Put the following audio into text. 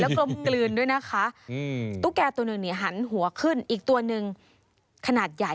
กลมกลืนด้วยนะคะตุ๊กแก่ตัวหนึ่งเนี่ยหันหัวขึ้นอีกตัวหนึ่งขนาดใหญ่